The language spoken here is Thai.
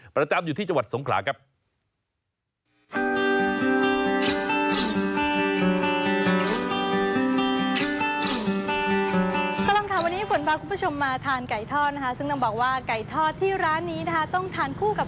ประจำอยู่ที่จังหวัดสงขลาครับ